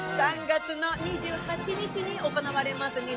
３月２８日に行われます